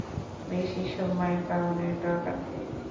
বেশি ভয় পাওনের দরকার নাই।